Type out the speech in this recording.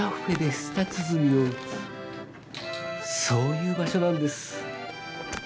そういう場所なんです。